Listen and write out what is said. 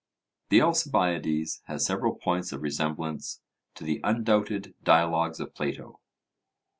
The Alcibiades has several points of resemblance to the undoubted dialogues of Plato.